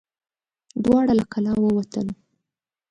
دواړه له کلا ووتل.